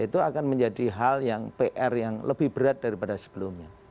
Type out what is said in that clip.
itu akan menjadi hal yang pr yang lebih berat daripada sebelumnya